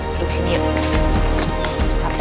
duduk sini yuk